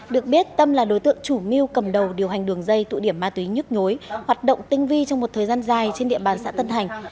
được biết tâm là đối tượng chủ mưu cầm đầu điều hành đường dây tụ điểm ma túy nhức nhối hoạt động tinh vi trong một thời gian dài trên địa bàn xã tân thành